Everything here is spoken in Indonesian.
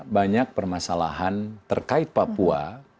banyak permasalahan terkait papua